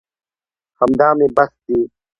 همدا مې بس دي.